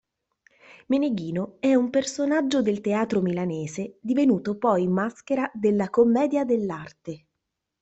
Meneghino è un personaggio del teatro milanese divenuto poi maschera della commedia dell'arte.